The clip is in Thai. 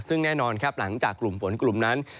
ซึ่งแน่นอนครับหลังจากกลุ่มฝนกลุ่มนั้น